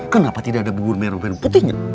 kenapa tidak ada bubur merah dan putihnya